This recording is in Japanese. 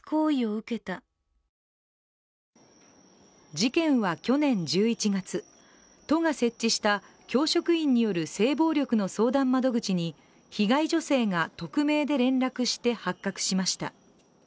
事件は去年１１月、都が設置した教職員による性暴力の相談窓口に被害女性が匿名で連絡して発覚しました。